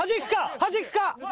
はじくか！